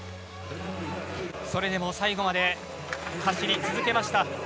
それでも最後まで走り続けました。